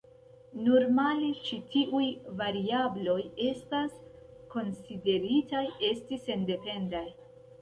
Normale ĉi tiuj variabloj estas konsideritaj esti sendependaj.